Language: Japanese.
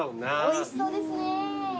おいしそうですね。